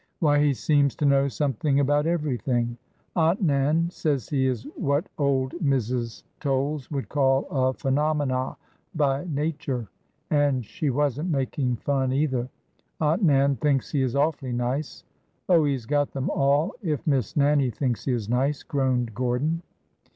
Why, he seems to know something about everything. Aunt Nan says he is what old Mrs. Tolies would call ^ a phenomena by natur'.' And she was n't making fun, either. Aunt Nan thinks he is awfully nice. Oh, he 's got them all if Miss Nannie thinks he is nice," groaned Gk)rdon.